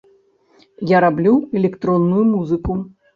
Я раблю электронную музыку.